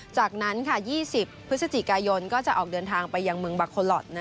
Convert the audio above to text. จากนั้น๒๐พฤศจิกายนก็จะออกเดินทางไปยังเมืองบาโคลอท